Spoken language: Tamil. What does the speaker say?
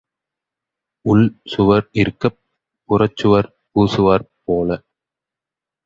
உள் சுவர் இருக்கப் புறச்சுவர் பூசுவார் போல.